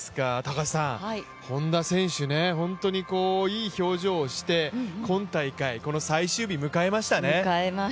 本多選手、本当にいい表情をして今大会、最終日迎えましたね。